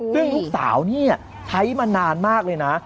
ซึ่งลูกสาวนี่ใช้มานานมากเลยนะ